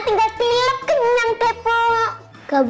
tinggal tipe kenyang kepo